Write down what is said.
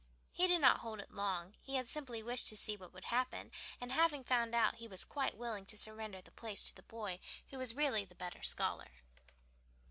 He did not hold it long. He had simply wished to see what would happen, and having found out he was quite willing to surrender the place to the boy who was really the better scholar.